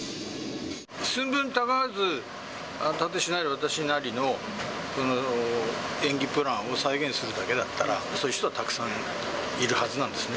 寸分たがわず、タテしなり、私なりの演技プランを再現するだけだったら、そういう人はたくさんいるはずなんですね。